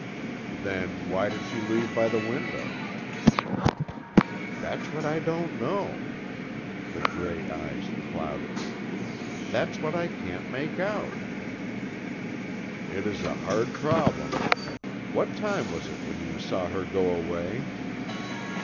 "Then, why did she leave by the window?" "That's what I don't know," the gray eyes clouded. "That's what I can't make out." "It is a hard problem. What time was it when you saw her go away?"